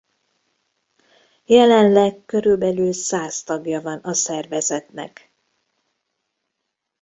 Jelenleg körülbelül száz tagja van a szervezetnek.